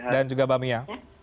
dan juga mbak mia